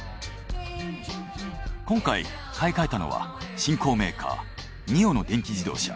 今回買い替えたのは新興メーカーＮＩＯの電気自動車。